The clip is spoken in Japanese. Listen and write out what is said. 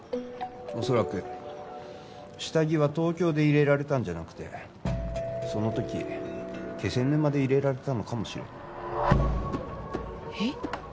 恐らく下着は東京で入れられたんじゃなくてその時気仙沼で入れられたのかもしれないえっ？